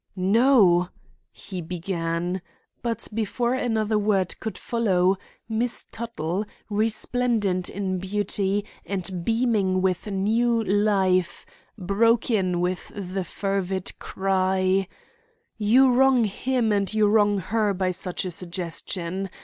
"No," he began; but before another word could follow, Miss Tuttle, resplendent in beauty and beaming with new life, broke in with the fervid cry: "You wrong him and you wrong her by such a suggestion.